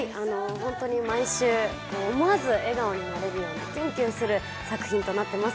毎週思わず笑顔になれるようなキュンキュンする作品となっております。